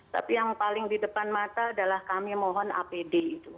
tapi yang paling di depan mata adalah kami mohon apd itu